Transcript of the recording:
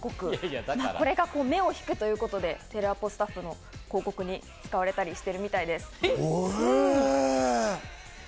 とにかく目を引くということで、テレアポスタッフの広告に使われてるみたいです。